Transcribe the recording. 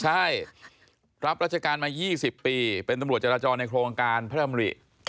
ใช่รับราชการมา๒๐ปีเป็นตำรวจจราจรในโครงการพระดำริ